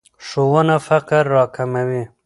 ښوونه فقر راکموي.